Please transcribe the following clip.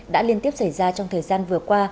đã liên tiếp xảy ra trong thời gian vừa qua